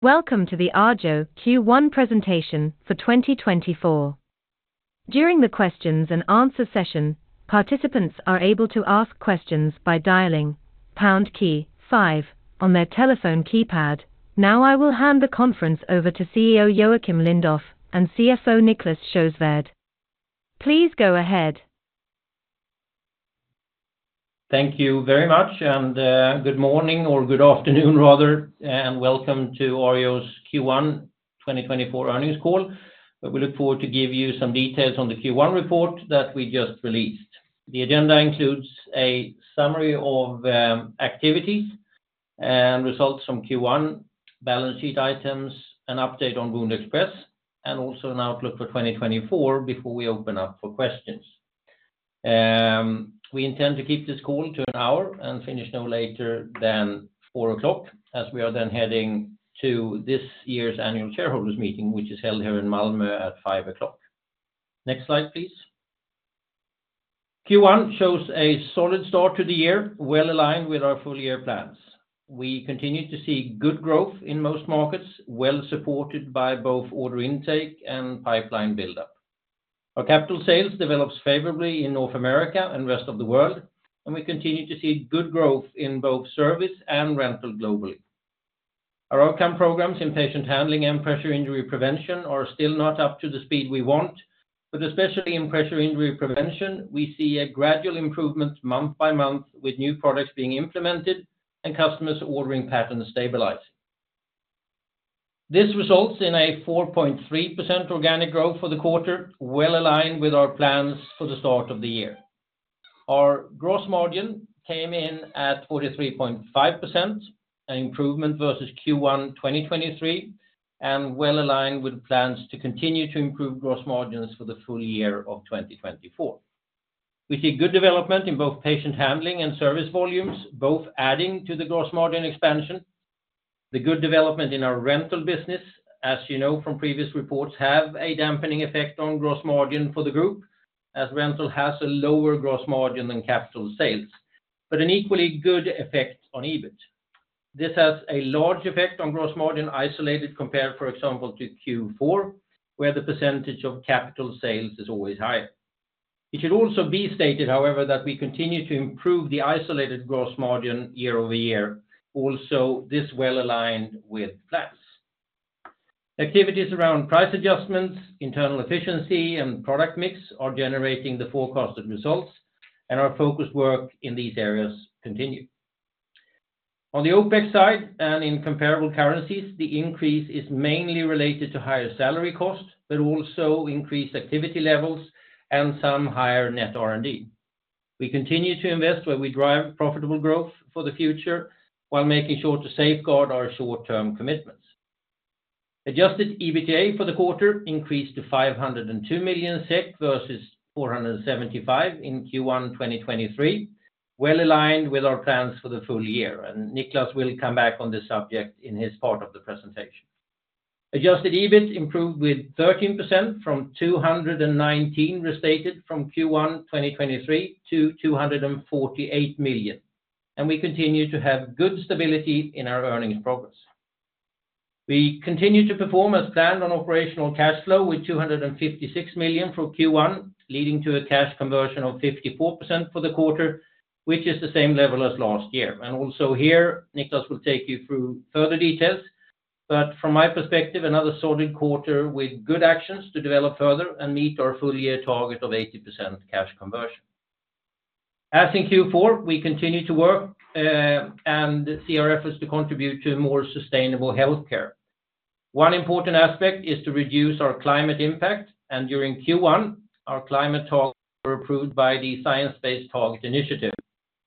Welcome to the Arjo Q1 presentation for 2024. During the questions and answers session, participants are able to ask questions by dialing pound key five on their telephone keypad. Now I will hand the conference over to CEO Joacim Lindoff and CFO Niclas Sjöswärd. Please go ahead. Thank you very much, and good morning, or good afternoon rather, and welcome to Arjo's Q1 2024 earnings call. We look forward to giving you some details on the Q1 report that we just released. The agenda includes a summary of activities and results from Q1, balance sheet items, an update on WoundExpress, and also an outlook for 2024 before we open up for questions. We intend to keep this call to an hour and finish no later than 4:00 P.M., as we are then heading to this year's annual shareholders meeting, which is held here in Malmö at 5:00 P.M. Next slide, please. Q1 shows a solid start to the year, well aligned with our full-year plans. We continue to see good growth in most markets, well supported by both order intake and pipeline buildup. Our capital sales develop favorably in North America and the rest of the world, and we continue to see good growth in both service and rental globally. Our outcome programs in patient handling and pressure injury prevention are still not up to the speed we want, but especially in pressure injury prevention, we see a gradual improvement month by month with new products being implemented and customers ordering patterns stabilizing. This results in a 4.3% organic growth for the quarter, well aligned with our plans for the start of the year. Our gross margin came in at 43.5%, an improvement versus Q1 2023, and well aligned with plans to continue to improve gross margins for the full year of 2024. We see good development in both patient handling and service volumes, both adding to the gross margin expansion. The good development in our rental business, as you know from previous reports, has a dampening effect on gross margin for the group, as rental has a lower gross margin than capital sales, but an equally good effect on EBIT. This has a large effect on gross margin isolated compared, for example, to Q4, where the percentage of capital sales is always higher. It should also be stated, however, that we continue to improve the isolated gross margin year-over-year, also this well aligned with plans. Activities around price adjustments, internal efficiency, and product mix are generating the forecasted results, and our focused work in these areas continues. On the OpEx side and in comparable currencies, the increase is mainly related to higher salary costs, but also increased activity levels and some higher net R&D. We continue to invest where we drive profitable growth for the future while making sure to safeguard our short-term commitments. Adjusted EBITDA for the quarter increased to 502 million SEK versus 475 million in Q1 2023, well aligned with our plans for the full year. Niclas will come back on this subject in his part of the presentation. Adjusted EBIT improved with 13% from 219 million restated from Q1 2023 to 248 million, and we continue to have good stability in our earnings progress. We continue to perform as planned on operational cash flow with 256 million from Q1, leading to a cash conversion of 54% for the quarter, which is the same level as last year. Also here, Niclas will take you through further details. But from my perspective, another solid quarter with good actions to develop further and meet our full-year target of 80% cash conversion. As in Q4, we continue to work, and CSR is to contribute to more sustainable health care. One important aspect is to reduce our climate impact. During Q1, our climate targets were approved by the Science Based Targets initiative,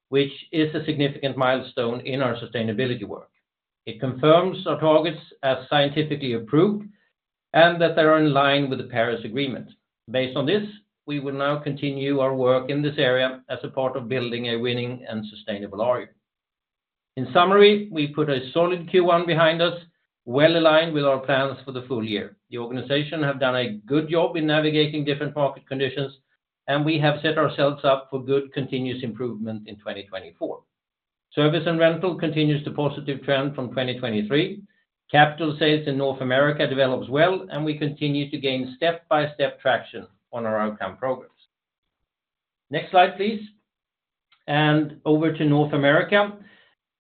which is a significant milestone in our sustainability work. It confirms our targets as scientifically approved and that they are in line with the Paris Agreement. Based on this, we will now continue our work in this area as a part of building a winning and sustainable Arjo. In summary, we put a solid Q1 behind us, well aligned with our plans for the full year. The organization has done a good job in navigating different market conditions, and we have set ourselves up for good continuous improvement in 2024. Service and rental continues the positive trend from 2023. Capital sales in North America develop well, and we continue to gain step-by-step traction on our outcome programs. Next slide, please. Over to North America,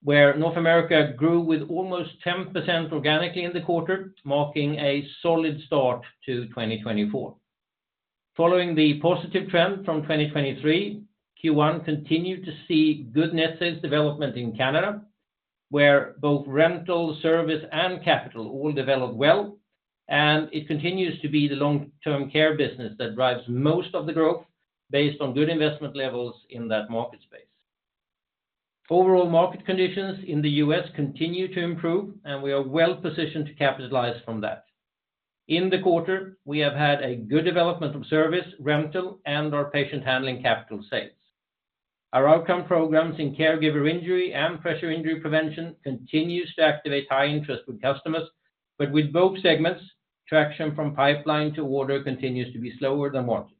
where North America grew with almost 10% organically in the quarter, marking a solid start to 2024. Following the positive trend from 2023, Q1 continued to see good net sales development in Canada, where both rental, service, and capital all developed well. It continues to be the long-term care business that drives most of the growth based on good investment levels in that market space. Overall market conditions in the U.S. continue to improve, and we are well positioned to capitalize from that. In the quarter, we have had a good development of service, rental, and our patient handling capital sales. Our outcome programs in caregiver injury and pressure injury prevention continue to activate high interest with customers, but with both segments, traction from pipeline to order continues to be slower than wanted.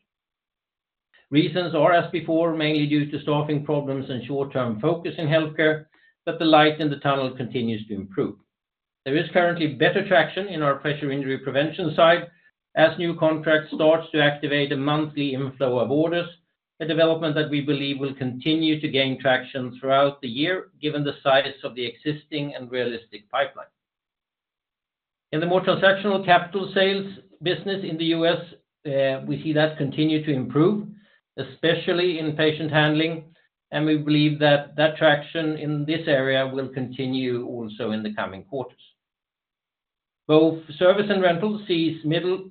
Reasons are, as before, mainly due to staffing problems and short-term focus in health care, but the light in the tunnel continues to improve. There is currently better traction in our pressure injury prevention side as new contracts start to activate a monthly inflow of orders, a development that we believe will continue to gain traction throughout the year given the size of the existing and realistic pipeline. In the more transactional capital sales business in the U.S., we see that continue to improve, especially in patient handling, and we believe that that traction in this area will continue also in the coming quarters. Both service and rental see mid-single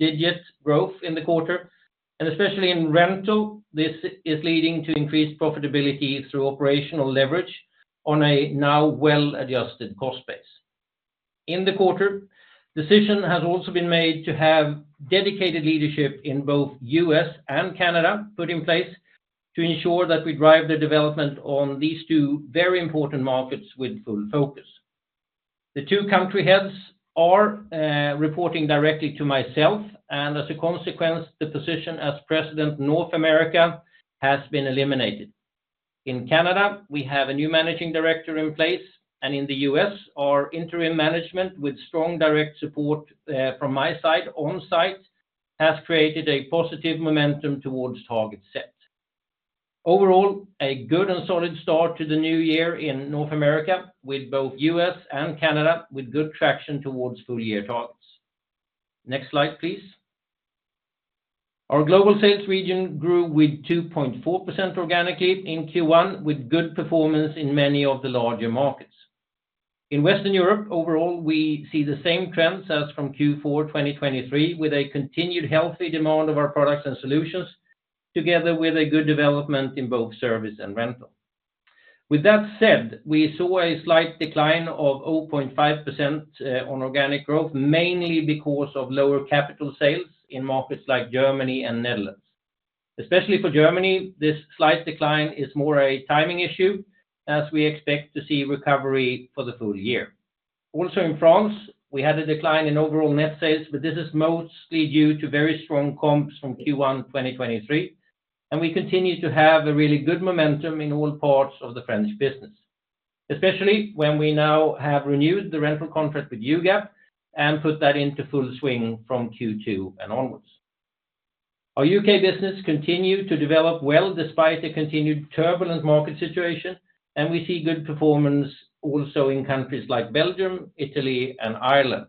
digit growth in the quarter, and especially in rental, this is leading to increased profitability through operational leverage on a now well-adjusted cost base. In the quarter, decision has also been made to have dedicated leadership in both U.S. and Canada put in place to ensure that we drive the development on these two very important markets with full focus. The two country heads are reporting directly to myself, and as a consequence, the position as President North America has been eliminated. In Canada, we have a new managing director in place, and in the U.S., our interim management with strong direct support from my side on site has created a positive momentum towards targets set. Overall, a good and solid start to the new year in North America with both U.S. and Canada with good traction towards full-year targets. Next slide, please. Our global sales region grew with 2.4% organically in Q1 with good performance in many of the larger markets. In Western Europe, overall, we see the same trends as from Q4 2023 with a continued healthy demand of our products and solutions, together with a good development in both service and rental. With that said, we saw a slight decline of 0.5% on organic growth, mainly because of lower capital sales in markets like Germany and Netherlands. Especially for Germany, this slight decline is more a timing issue as we expect to see recovery for the full year. Also in France, we had a decline in overall net sales, but this is mostly due to very strong comps from Q1 2023, and we continue to have a really good momentum in all parts of the French business, especially when we now have renewed the rental contract with UGAP and put that into full swing from Q2 and onwards. Our UK business continued to develop well despite a continued turbulent market situation, and we see good performance also in countries like Belgium, Italy, and Ireland.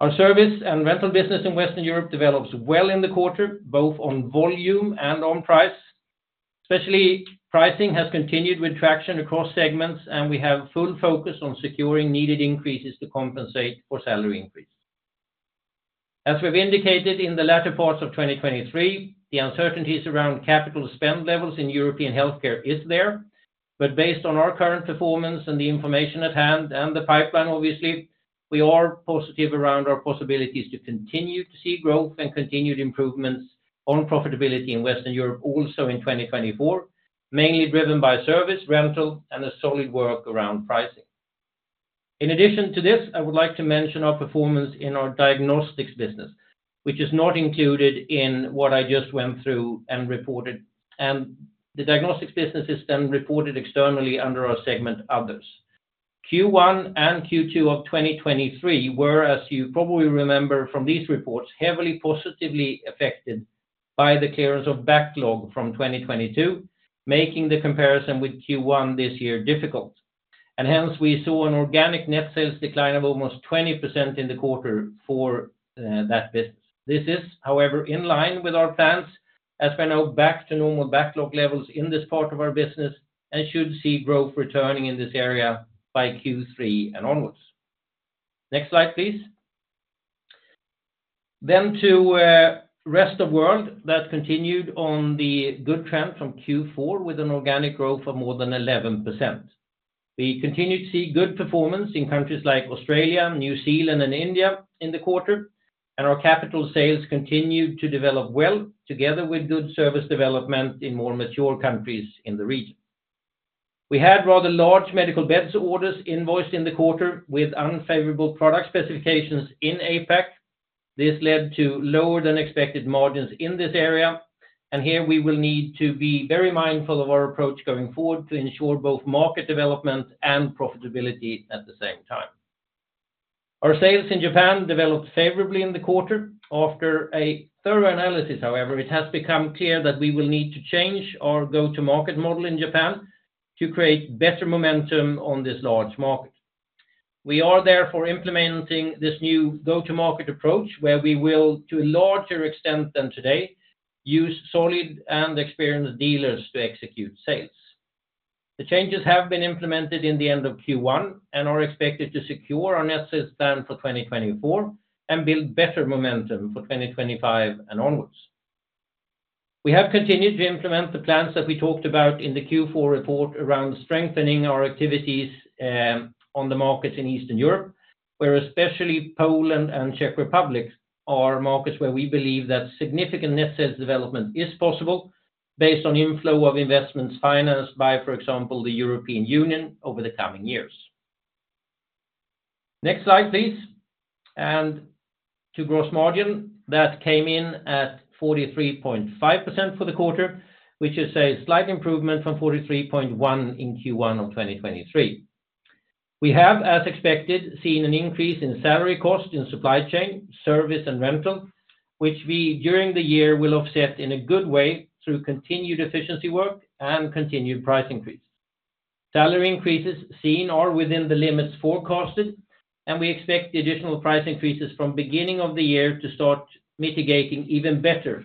Our service and rental business in Western Europe develops well in the quarter, both on volume and on price. Especially pricing has continued with traction across segments, and we have full focus on securing needed increases to compensate for salary increases. As we've indicated in the latter parts of 2023, the uncertainties around capital spend levels in European health care are there, but based on our current performance and the information at hand and the pipeline, obviously, we are positive around our possibilities to continue to see growth and continued improvements on profitability in Western Europe, also in 2024, mainly driven by service, rental, and a solid work around pricing. In addition to this, I would like to mention our performance in our diagnostics business, which is not included in what I just went through and reported, and the diagnostics business is then reported externally under our segment Others. Q1 and Q2 of 2023 were, as you probably remember from these reports, heavily positively affected by the clearance of backlog from 2022, making the comparison with Q1 this year difficult. Hence, we saw an organic net sales decline of almost 20% in the quarter for that business. This is, however, in line with our plans as we are now back to normal backlog levels in this part of our business and should see growth returning in this area by Q3 and onwards. Next slide, please. To the rest of the world, that continued on the good trend from Q4 with an organic growth of more than 11%. We continued to see good performance in countries like Australia, New Zealand, and India in the quarter, and our capital sales continued to develop well together with good service development in more mature countries in the region. We had rather large medical beds orders invoiced in the quarter with unfavorable product specifications in APAC. This led to lower than expected margins in this area, and here we will need to be very mindful of our approach going forward to ensure both market development and profitability at the same time. Our sales in Japan developed favorably in the quarter. After a thorough analysis, however, it has become clear that we will need to change our go-to-market model in Japan to create better momentum on this large market. We are therefore implementing this new go-to-market approach where we will, to a larger extent than today, use solid and experienced dealers to execute sales. The changes have been implemented in the end of Q1 and are expected to secure our net sales plan for 2024 and build better momentum for 2025 and onwards. We have continued to implement the plans that we talked about in the Q4 report around strengthening our activities on the markets in Eastern Europe, where especially Poland and Czech Republic are markets where we believe that significant net sales development is possible based on inflow of investments financed by, for example, the European Union over the coming years. Next slide, please. To gross margin, that came in at 43.5% for the quarter, which is a slight improvement from 43.1% in Q1 of 2023. We have, as expected, seen an increase in salary costs in supply chain, service, and rental, which we, during the year, will offset in a good way through continued efficiency work and continued price increases. Salary increases seen are within the limits forecasted, and we expect additional price increases from the beginning of the year to start mitigating even better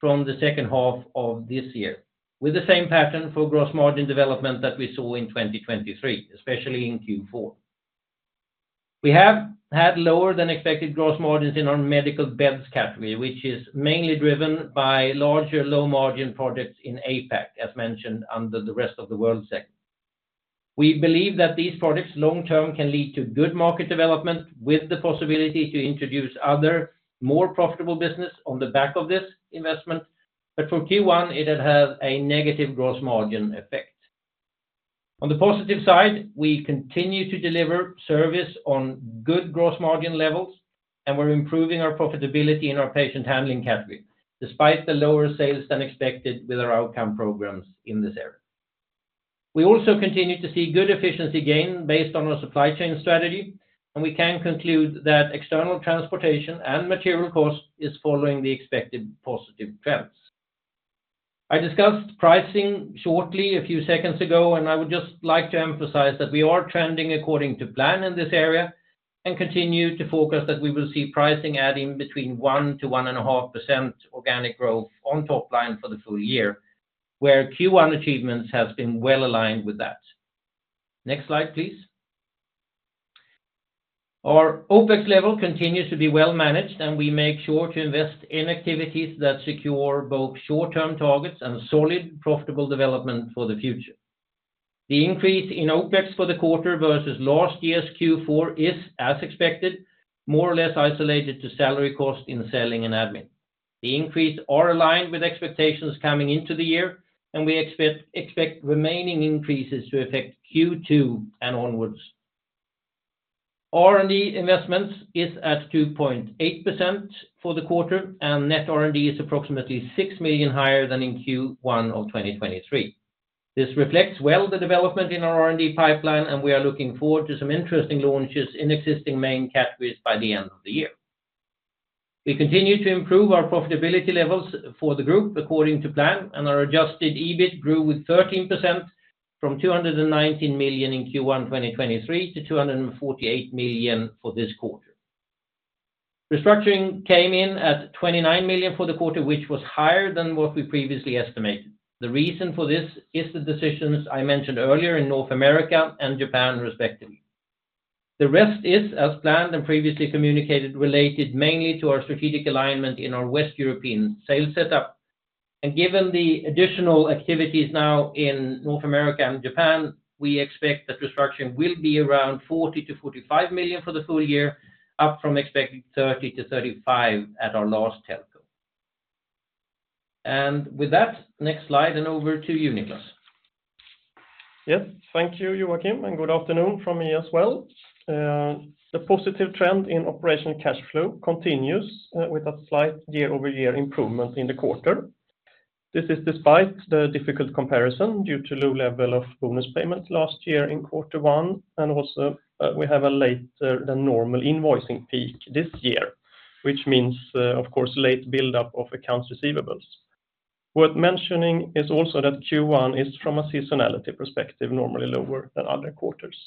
from the second half of this year with the same pattern for gross margin development that we saw in 2023, especially in Q4. We have had lower than expected gross margins in our medical beds category, which is mainly driven by larger low-margin projects in APAC, as mentioned under the rest of the world segment. We believe that these projects long-term can lead to good market development with the possibility to introduce other, more profitable businesses on the back of this investment. But for Q1, it had a negative gross margin effect. On the positive side, we continue to deliver service on good gross margin levels, and we're improving our profitability in our patient handling category despite the lower sales than expected with our outcome programs in this area. We also continue to see good efficiency gain based on our supply chain strategy, and we can conclude that external transportation and material costs are following the expected positive trends. I discussed pricing shortly a few seconds ago, and I would just like to emphasize that we are trending according to plan in this area and continue to focus that we will see pricing add in between 1%-1.5% organic growth on top line for the full year, where Q1 achievements have been well aligned with that. Next slide, please. Our OpEx level continues to be well managed, and we make sure to invest in activities that secure both short-term targets and solid profitable development for the future. The increase in OpEx for the quarter versus last year's Q4 is, as expected, more or less isolated to salary costs in selling and admin. The increase is aligned with expectations coming into the year, and we expect remaining increases to affect Q2 and onwards. R&D investments are at 2.8% for the quarter, and net R&D is approximately 6 million higher than in Q1 of 2023. This reflects well the development in our R&D pipeline, and we are looking forward to some interesting launches in existing main categories by the end of the year. We continue to improve our profitability levels for the group according to plan, and our adjusted EBIT grew with 13% from 219 million in Q1 2023 to 248 million for this quarter. Restructuring came in at 29 million for the quarter, which was higher than what we previously estimated. The reason for this is the decisions I mentioned earlier in North America and Japan, respectively. The rest is, as planned and previously communicated, related mainly to our strategic alignment in our Western Europe sales setup. Given the additional activities now in North America and Japan, we expect that restructuring will be around 40 million-45 million for the full year, up from expected 30 million-35 million at our last telco. With that, next slide, and over to Niclas. Yes, thank you, Joacim, and good afternoon from me as well. The positive trend in operational cash flow continues with a slight year-over-year improvement in the quarter. This is despite the difficult comparison due to low level of bonus payments last year in quarter one, and also we have a later than normal invoicing peak this year, which means, of course, late buildup of accounts receivable. Worth mentioning is also that Q1 is, from a seasonality perspective, normally lower than other quarters.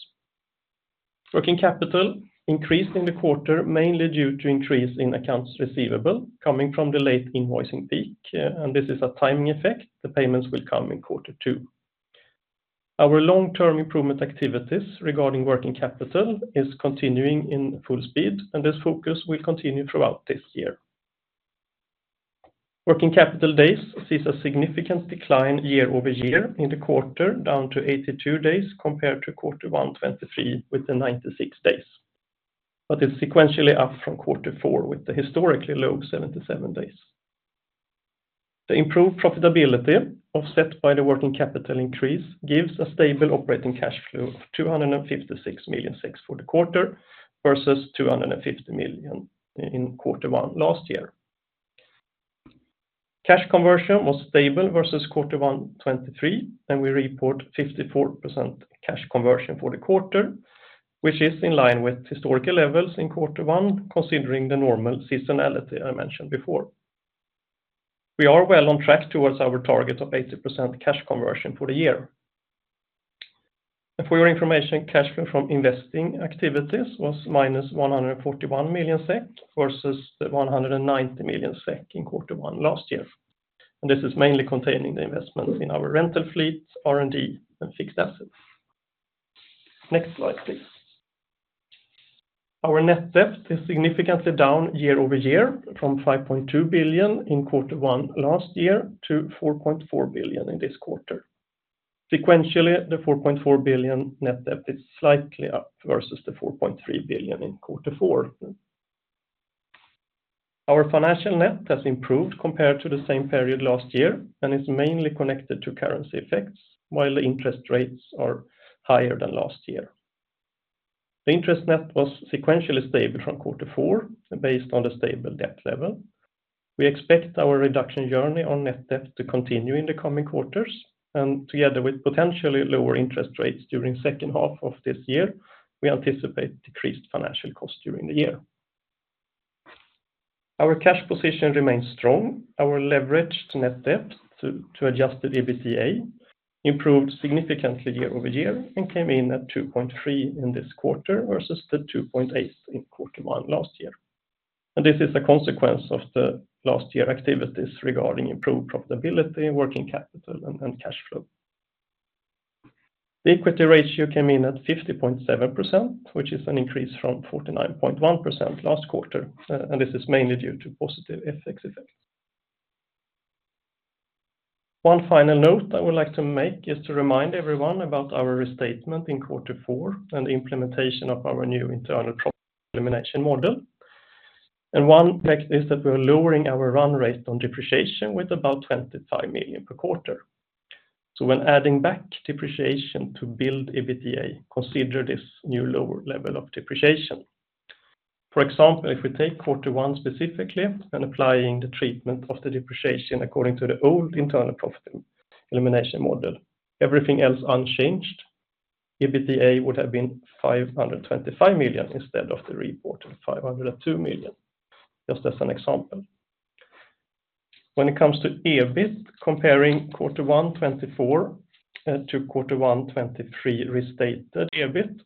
Working capital is increasing in the quarter, mainly due to an increase in accounts receivable coming from the late invoicing peak, and this is a timing effect. The payments will come in quarter two. Our long-term improvement activities regarding working capital are continuing in full speed, and this focus will continue throughout this year. Working capital days see a significant decline year-over-year in the quarter, down to 82 days compared to quarter one 2023 with 96 days, but it's sequentially up from quarter four with the historically low 77 days. The improved profitability offset by the working capital increase gives a stable operating cash flow of 256.6 million for the quarter versus 250 million in quarter one last year. Cash conversion was stable versus quarter one 2023, and we report 54% cash conversion for the quarter, which is in line with historical levels in quarter one, considering the normal seasonality I mentioned before. We are well on track towards our target of 80% cash conversion for the year. And for your information, cash flow from investing activities was -141 million SEK versus 190 million SEK in quarter one last year. This is mainly containing the investments in our rental fleet, R&D, and fixed assets. Next slide, please. Our net debt is significantly down year-over-year from 5.2 billion in quarter one last year to 4.4 billion in this quarter. Sequentially, the 4.4 billion net debt is slightly up versus the 4.3 billion in quarter four. Our financial net has improved compared to the same period last year and is mainly connected to currency effects, while the interest rates are higher than last year. The interest net was sequentially stable from quarter four based on the stable debt level. We expect our reduction journey on net debt to continue in the coming quarters, and together with potentially lower interest rates during the second half of this year, we anticipate decreased financial costs during the year. Our cash position remains strong. Our leveraged net debt to adjusted EBITDA improved significantly year-over-year and came in at 2.3 in this quarter versus the 2.8 in quarter one last year. And this is a consequence of the last year's activities regarding improved profitability, working capital, and cash flow. The equity ratio came in at 50.7%, which is an increase from 49.1% last quarter, and this is mainly due to positive FX effects. One final note I would like to make is to remind everyone about our restatement in quarter four and the implementation of our new internal profit elimination model. And one fact is that we are lowering our run rate on depreciation with about 25 million per quarter. So when adding back depreciation to build EBITDA, consider this new lower level of depreciation. For example, if we take quarter one specifically and apply the treatment of the depreciation according to the old internal profit elimination model, everything else unchanged, EBITDA would have been 525 million instead of the reported 502 million, just as an example. When it comes to EBIT, comparing quarter one 2024 to quarter one 2023 restated EBIT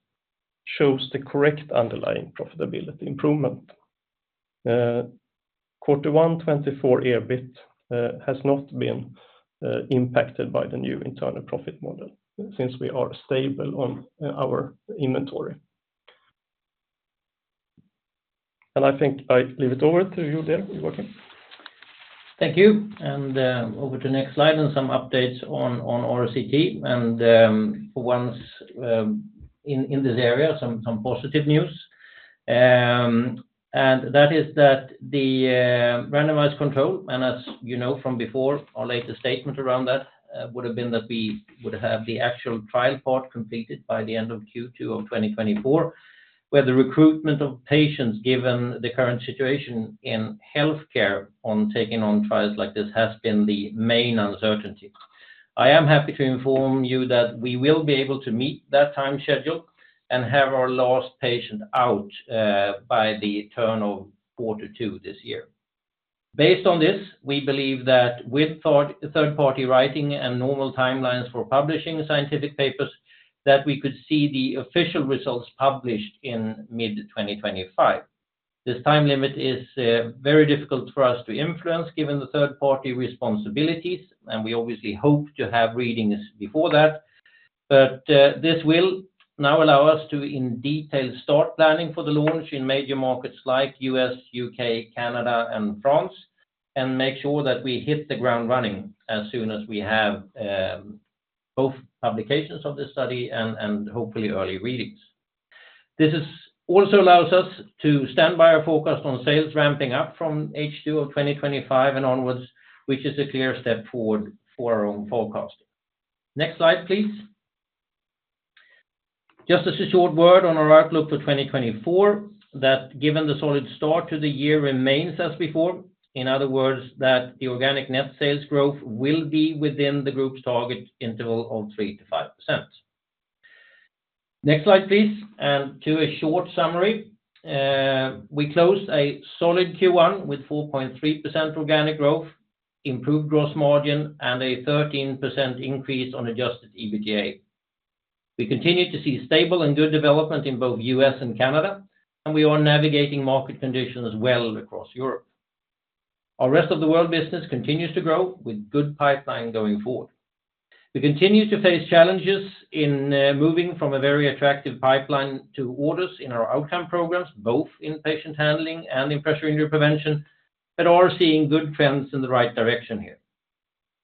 shows the correct underlying profitability improvement. Quarter one 2024 EBIT has not been impacted by the new internal profit model since we are stable on our inventory. And I think I leave it over to you there, Joacim. Thank you. And over to the next slide and some updates our RCT. And for once in this area, some positive news. That is that the randomized control, and as you know from before, our latest statement around that would have been that we would have the actual trial part completed by the end of Q2 of 2024, where the recruitment of patients, given the current situation in healthcare on taking on trials like this, has been the main uncertainty. I am happy to inform you that we will be able to meet that time schedule and have our last patient out by the turn of quarter two this year. Based on this, we believe that with third-party writing and normal timelines for publishing scientific papers, that we could see the official results published in mid-2025. This time limit is very difficult for us to influence given the third-party responsibilities, and we obviously hope to have readings before that. But this will now allow us to in detail start planning for the launch in major markets like the US, UK, Canada, and France, and make sure that we hit the ground running as soon as we have both publications of this study and hopefully early readings. This also allows us to stand by our forecast on sales ramping up from H2 of 2025 and onwards, which is a clear step forward for our own forecasting. Next slide, please. Just as a short word on our outlook for 2024, that, given the solid start to the year, remains as before. In other words, that the organic net sales growth will be within the group's target interval of 3%-5%. Next slide, please. And to a short summary, we closed a solid Q1 with 4.3% organic growth, improved gross margin, and a 13% increase on adjusted EBITDA. We continue to see stable and good development in both the U.S. and Canada, and we are navigating market conditions well across Europe. Our rest of the world business continues to grow with a good pipeline going forward. We continue to face challenges in moving from a very attractive pipeline to orders in our outcome programs, both in patient handling and in pressure injury prevention, but are seeing good trends in the right direction here.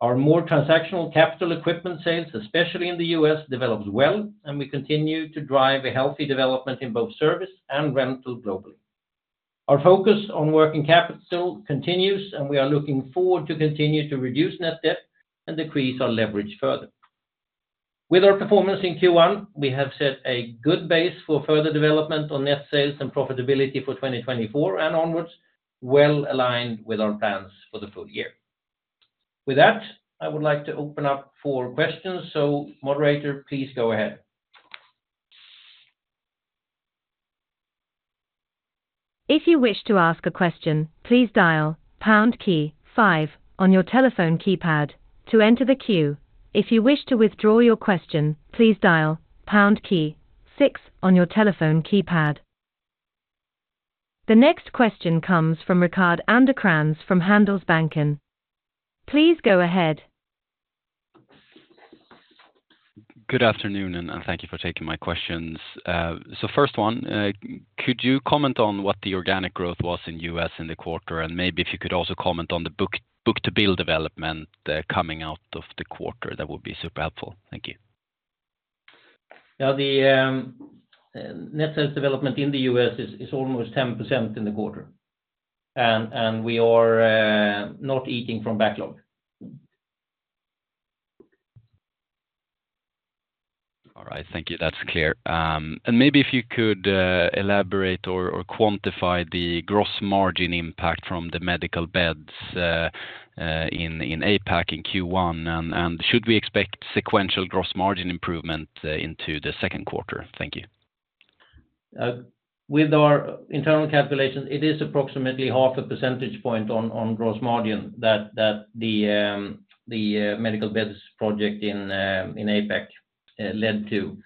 Our more transactional capital equipment sales, especially in the U.S., develop well and we continue to drive a healthy development in both service and rental globally. Our focus on working capital continues, and we are looking forward to continue to reduce net debt and decrease our leverage further. With our performance in Q1, we have set a good base for further development on net sales and profitability for 2024 and onwards, well aligned with our plans for the full year. With that, I would like to open up for questions. So, moderator, please go ahead. If you wish to ask a question, please dial pound key five on your telephone keypad to enter the queue. If you wish to withdraw your question, please dial pound key six on your telephone keypad. The next question comes from Rickard Anderkrans from Handelsbanken. Please go ahead. Good afternoon, and thank you for taking my questions. So, first one, could you comment on what the organic growth was in the U.S. in the quarter? And maybe if you could also comment on the book-to-bill development coming out of the quarter, that would be super helpful. Thank you. Yeah, the net sales development in the US is almost 10% in the quarter, and we are not eating from backlog. All right, thank you. That's clear. And maybe if you could elaborate or quantify the gross margin impact from the medical beds in APAC in Q1, and should we expect sequential gross margin improvement into the second quarter? Thank you. With our internal calculations, it is approximately half a percentage point on gross margin that the medical beds project in APAC led to.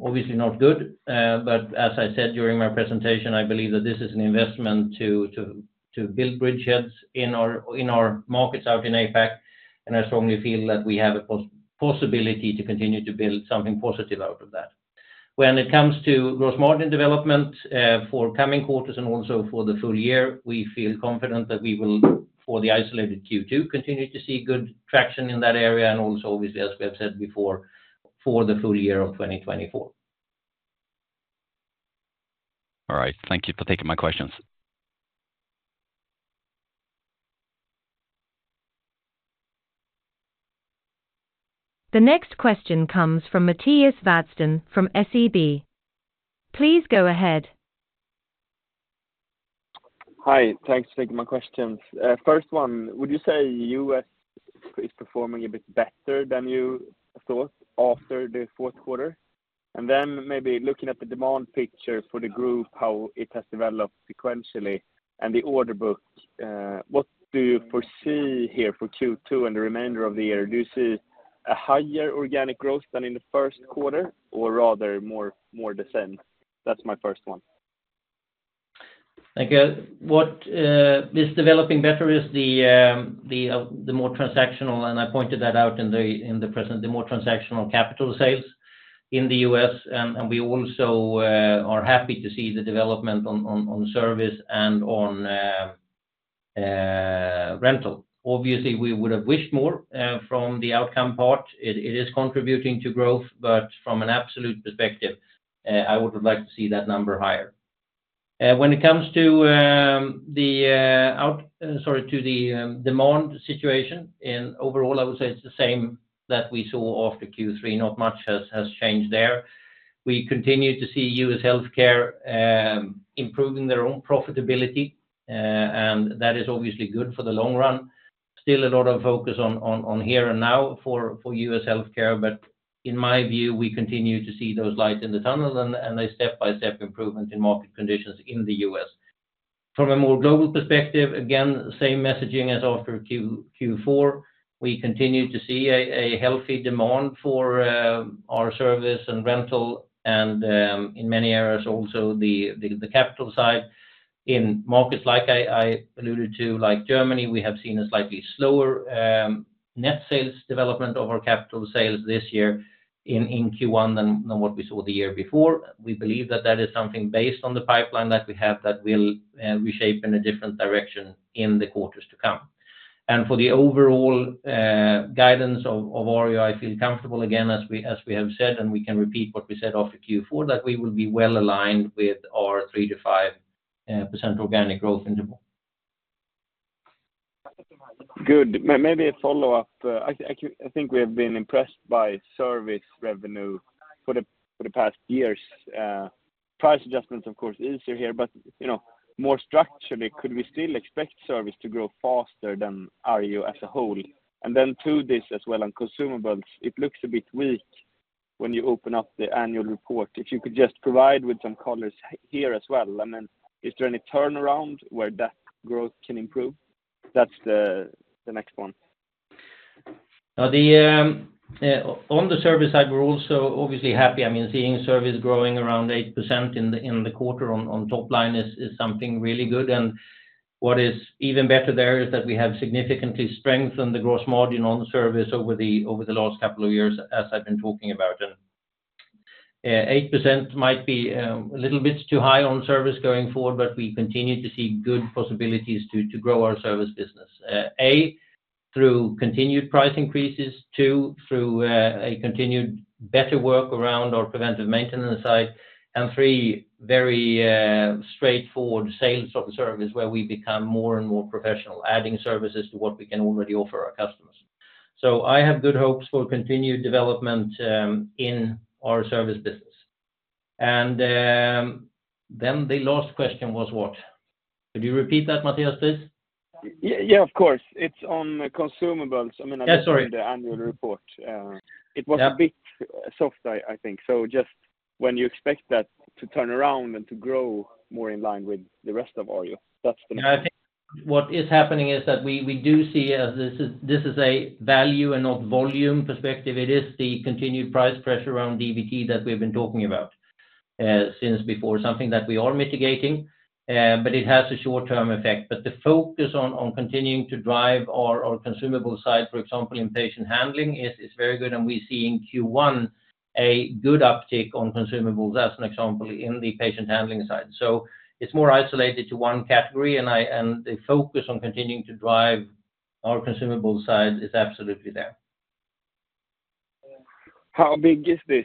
Obviously, not good. But as I said during my presentation, I believe that this is an investment to build bridgeheads in our markets out in APAC, and I strongly feel that we have a possibility to continue to build something positive out of that. When it comes to gross margin development for coming quarters and also for the full year, we feel confident that we will, for the isolated Q2, continue to see good traction in that area. And also, obviously, as we have said before, for the full year of 2024. All right, thank you for taking my questions. The next question comes from Mattias Vadsten from SEB. Please go ahead. Hi, thanks for taking my questions. First one, would you say the US is performing a bit better than you thought after the fourth quarter? And then maybe looking at the demand picture for the group, how it has developed sequentially and the order book, what do you foresee here for Q2 and the remainder of the year? Do you see a higher organic growth than in the first quarter or rather more decent? That's my first one. Thank you. What is developing better is the more transactional, and I pointed that out in the presentation, the more transactional capital sales in the U.S. We also are happy to see the development on service and on rental. Obviously, we would have wished more from the outcome part. It is contributing to growth, but from an absolute perspective, I would have liked to see that number higher. When it comes to the outlook, sorry, to the demand situation overall, I would say it's the same that we saw after Q3. Not much has changed there. We continue to see U.S. healthcare improving their own profitability, and that is obviously good for the long run. Still a lot of focus on here and now for U.S. healthcare. But in my view, we continue to see those lights in the tunnel and a step-by-step improvement in market conditions in the U.S. From a more global perspective, again, same messaging as after Q4. We continue to see a healthy demand for our service and rental and in many areas also the capital side. In markets like I alluded to, like Germany, we have seen a slightly slower net sales development of our capital sales this year in Q1 than what we saw the year before. We believe that that is something based on the pipeline that we have that will reshape in a different direction in the quarters to come. For the overall guidance of Arjo, I feel comfortable again, as we have said, and we can repeat what we said after Q4, that we will be well aligned with our 3%-5% organic growth interval. Good. Maybe a follow-up. I think we have been impressed by service revenue for the past years. Price adjustments, of course, is easier here, but more structurally, could we still expect service to grow faster than Arjo as a whole? Then to this as well on consumables, it looks a bit weak when you open up the annual report. If you could just provide some color here as well. I mean, is there any turnaround where that growth can improve? That's the next one. On the service side, we're also obviously happy. I mean, seeing service growing around 8% in the quarter on top line is something really good. And what is even better there is that we have significantly strengthened the gross margin on service over the last couple of years, as I've been talking about. And 8% might be a little bit too high on service going forward, but we continue to see good possibilities to grow our service business. One, through continued price increases. Two, through a continued better work around our preventive maintenance side. And three, very straightforward sales of service where we become more and more professional, adding services to what we can already offer our customers. So I have good hopes for continued development in our service business. And then the last question was what? Could you repeat that, Mattias, please? Yeah, of course. It's on consumables. I mean, I mentioned the annual report. It was a bit soft, I think. So just when you expect that to turn around and to grow more in line with the rest of Arjo, that's the next one. Yeah, I think what is happening is that we do see as this is a value and not volume perspective. It is the continued price pressure around DVT that we've been talking about since before, something that we are mitigating, but it has a short-term effect. But the focus on continuing to drive our consumable side, for example, in patient handling, is very good. And we see in Q1 a good uptick on consumables, as an example, in the patient handling side. So it's more isolated to one category, and the focus on continuing to drive our consumable side is absolutely there. How big is this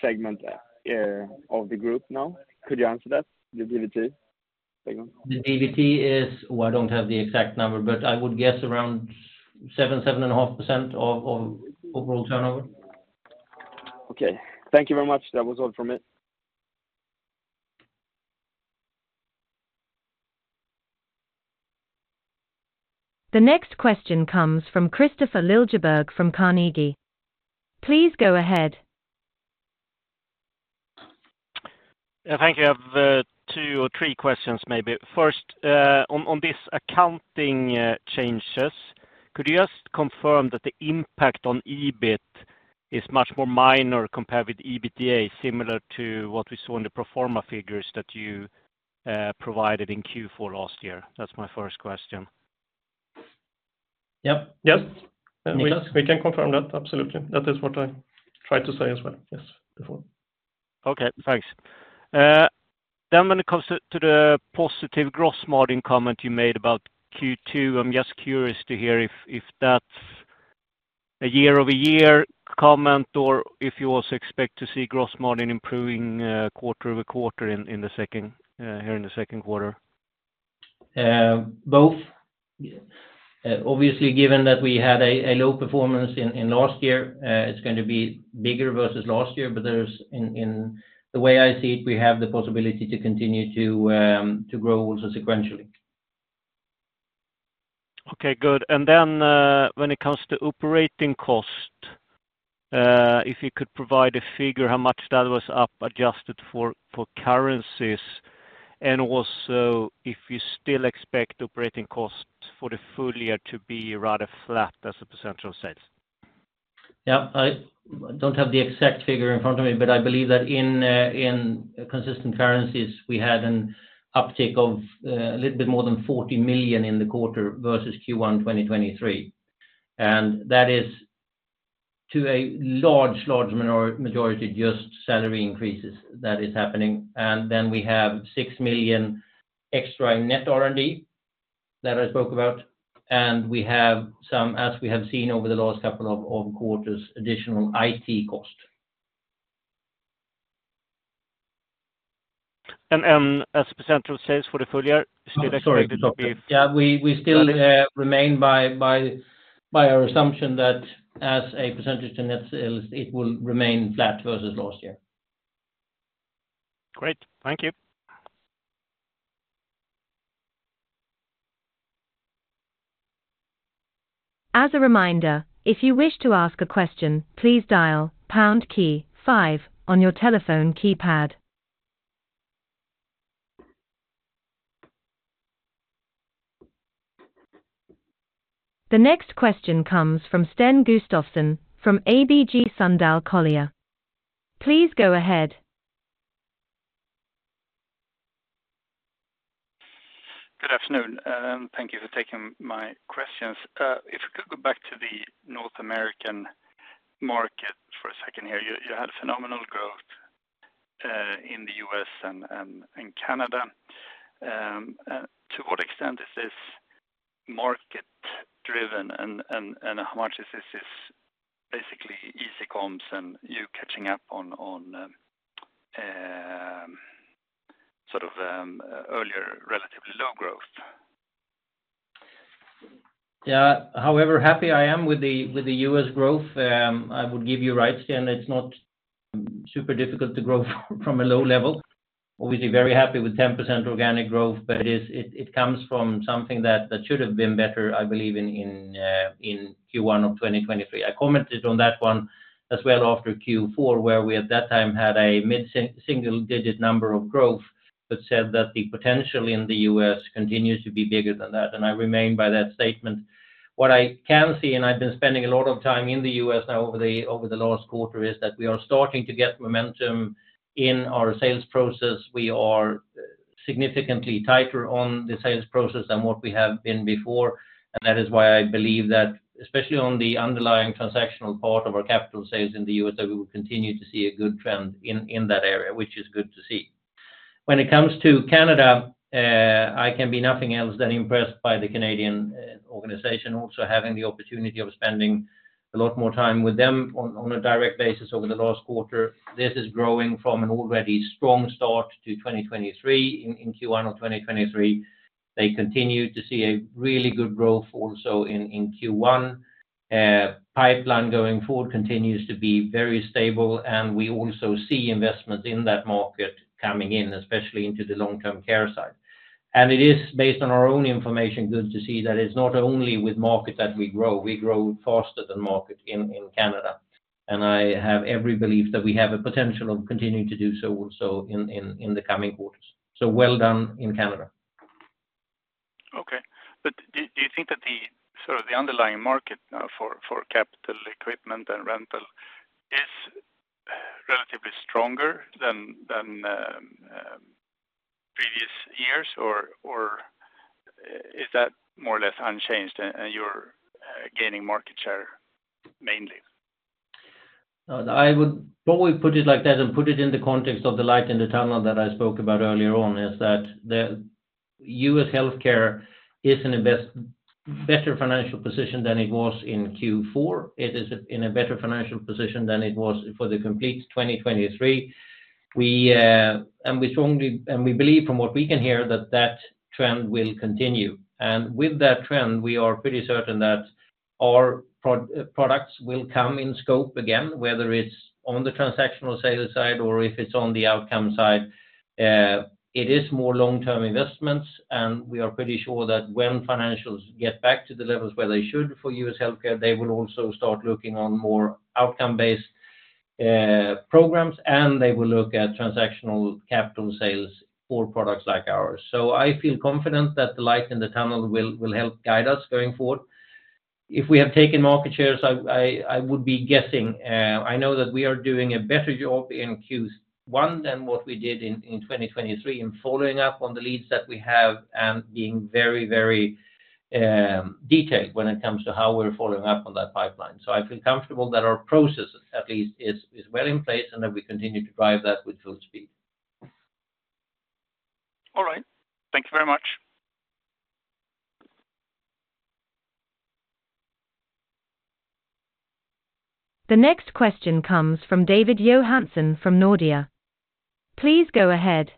segment of the group now? Could you answer that? The DVT segment? The DVT is, well, I don't have the exact number, but I would guess around 7%, 7.5% of overall turnover. Okay. Thank you very much. That was all from me. The next question comes from Kristofer Liljeberg from Carnegie. Please go ahead. Thank you. I have two or three questions, maybe. First, on these accounting changes, could you just confirm that the impact on EBIT is much more minor compared with EBITDA, similar to what we saw in the pro forma figures that you provided in Q4 last year? That's my first question. Yep. Yes. We can confirm that. Absolutely. That is what I tried to say as well. Yes, before. Okay. Thanks. Then when it comes to the positive gross margin comment you made about Q2, I'm just curious to hear if that's a year-over-year comment or if you also expect to see gross margin improving quarter-over-quarter here in the second quarter? Both. Obviously, given that we had a low performance in last year, it's going to be bigger versus last year. But the way I see it, we have the possibility to continue to grow also sequentially. Okay. Good. And then when it comes to operating cost, if you could provide a figure how much that was up adjusted for currencies and also if you still expect operating costs for the full year to be rather flat as a percentage of sales. Yeah. I don't have the exact figure in front of me, but I believe that in consistent currencies, we had an uptick of a little bit more than 40 million in the quarter versus Q1 2023. And that is to a large, large majority just salary increases that is happening. And then we have 6 million extra in net R&D that I spoke about. And we have some, as we have seen over the last couple of quarters, additional IT cost. And as a percentage of sales for the full year, is still expected to be? Yeah. We still remain by our assumption that as a percentage to net sales, it will remain flat versus last year. Great. Thank you. As a reminder, if you wish to ask a question, please dial pound key five on your telephone keypad. The next question comes from Sten Gustafsson from ABG Sundal Collier. Please go ahead. Good afternoon. Thank you for taking my questions. If we could go back to the North American market for a second here. You had phenomenal growth in the U.S. and Canada. To what extent is this market driven, and how much is this basically easy comps and you catching up on sort of earlier relatively low growth? Yeah. However happy I am with the U.S. growth, I would give you right, Sten. It's not super difficult to grow from a low level. Obviously, very happy with 10% organic growth, but it comes from something that should have been better, I believe, in Q1 of 2023. I commented on that one as well after Q4, where we at that time had a mid-single-digit number of growth, but said that the potential in the U.S. continues to be bigger than that. I remain by that statement. What I can see, and I've been spending a lot of time in the U.S. now over the last quarter, is that we are starting to get momentum in our sales process. We are significantly tighter on the sales process than what we have been before. That is why I believe that, especially on the underlying transactional part of our capital sales in the U.S., that we will continue to see a good trend in that area, which is good to see. When it comes to Canada, I can be nothing else than impressed by the Canadian organization, also having the opportunity of spending a lot more time with them on a direct basis over the last quarter. This is growing from an already strong start to 2023. In Q1 of 2023, they continue to see a really good growth also in Q1. Pipeline going forward continues to be very stable, and we also see investments in that market coming in, especially into the long-term care side. And it is, based on our own information, good to see that it's not only with market that we grow. We grow faster than market in Canada. And I have every belief that we have a potential of continuing to do so also in the coming quarters. So well done in Canada. Okay. But do you think that sort of the underlying market for capital equipment and rental is relatively stronger than previous years, or is that more or less unchanged and you're gaining market share mainly? I would probably put it like that and put it in the context of the light in the tunnel that I spoke about earlier on: U.S. healthcare is in a better financial position than it was in Q4. It is in a better financial position than it was for the complete 2023. And we believe, from what we can hear, that that trend will continue. And with that trend, we are pretty certain that our products will come in scope again, whether it's on the transactional sales side or if it's on the outcome side. It is more long-term investments, and we are pretty sure that when financials get back to the levels where they should for US healthcare, they will also start looking on more outcome-based programs, and they will look at transactional capital sales for products like ours. So I feel confident that the light in the tunnel will help guide us going forward. If we have taken market shares, I would be guessing. I know that we are doing a better job in Q1 than what we did in 2023 in following up on the leads that we have and being very, very detailed when it comes to how we're following up on that pipeline. So I feel comfortable that our process, at least, is well in place and that we continue to drive that with full speed. All right. Thank you very much. The next question comes from David Johansson from Nordea. Please go ahead.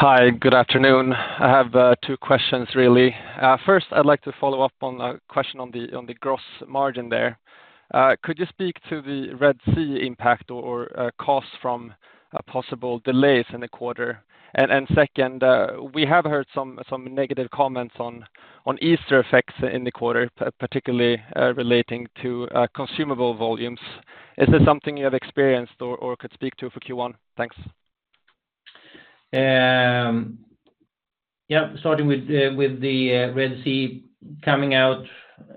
Hi. Good afternoon. I have two questions, really. First, I'd like to follow up on a question on the gross margin there. Could you speak to the Red Sea impact or costs from possible delays in the quarter? And second, we have heard some negative comments on Easter effects in the quarter, particularly relating to consumable volumes. Is this something you have experienced or could speak to for Q1? Thanks. Yeah. Starting with the Red Sea coming out,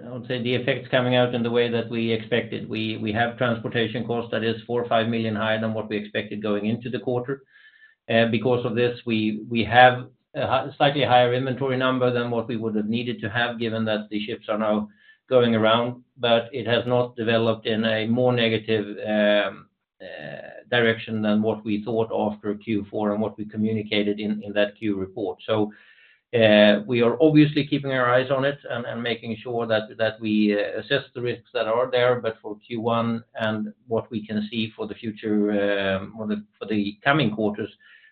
I would say the effects coming out in the way that we expected. We have transportation costs that is 4 million-5 million higher than what we expected going into the quarter. Because of this, we have a slightly higher inventory number than what we would have needed to have given that the ships are now going around. But it has not developed in a more negative direction than what we thought after Q4 and what we communicated in that Q report. So we are obviously keeping our eyes on it and making sure that we assess the risks that are there. But for Q1 and what we can see for the future, for the coming quarters,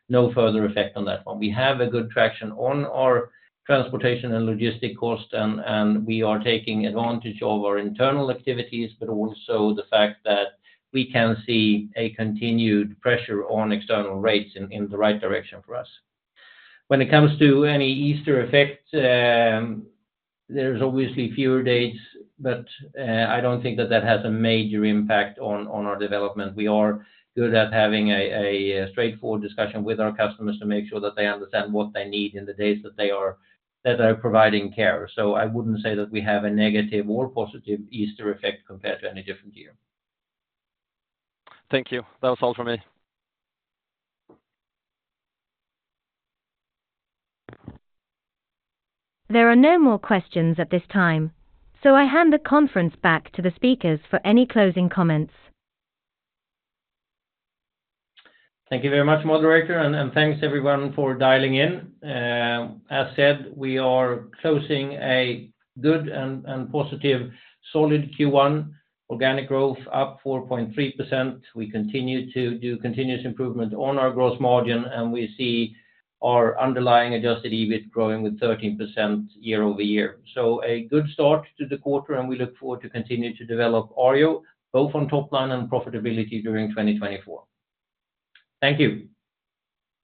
no further effect on that one. We have a good traction on our transportation and logistics costs, and we are taking advantage of our internal activities, but also the fact that we can see a continued pressure on external rates in the right direction for us. When it comes to any Easter effect, there's obviously fewer dates, but I don't think that that has a major impact on our development. We are good at having a straightforward discussion with our customers to make sure that they understand what they need in the days that they are providing care. So I wouldn't say that we have a negative or positive Easter effect compared to any different year. Thank you. That was all from me. There are no more questions at this time, so I hand the conference back to the speakers for any closing comments. Thank you very much, Moderator, and thanks, everyone, for dialing in. As said, we are closing a good and positive, solid Q1. Organic growth up 4.3%. We continue to do continuous improvement on our gross margin, and we see our underlying Adjusted EBIT growing with 13% year-over-year. So a good start to the quarter, and we look forward to continuing to develop Arjo, both on topline and profitability during 2024. Thank you.